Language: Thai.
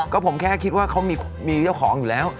ก็ผมแค่คิดว่าเขามีเจ้าของอยู่แล้ว